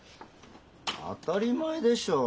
当たり前でしょう。